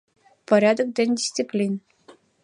Порядок ден дисциплин.